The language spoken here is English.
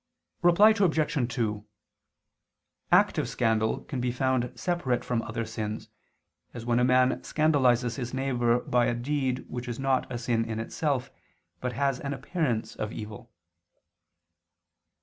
Reply Obj. 2: Active scandal can be found separate from other sins, as when a man scandalizes his neighbor by a deed which is not a sin in itself, but has an appearance of evil.